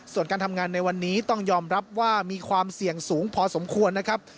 ส่วนการทำงานในวันนี้ต้องยอมรับว่ามีความเสี่ยงสูงพอสมควรนะครับ